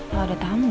oh ada tamu